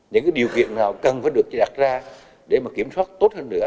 những điều kiện nào cần phải được đặt ra để mà kiểm soát tốt hơn nữa